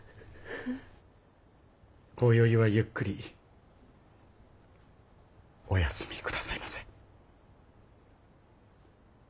今宵はゆっくりおやすみ下さいませ。